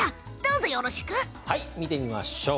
見てみましょう。